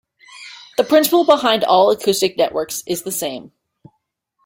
The principle behind all acoustic networks is the same.